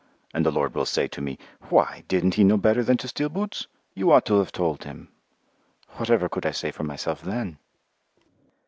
And the Lord will say to me, 'Why, didn't he know better than to steal boots? You ought to have told him.' Whatever could I say for myself then?"